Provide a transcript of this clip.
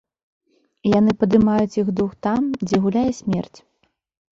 Яны падымаюць іх дух там, дзе гуляе смерць.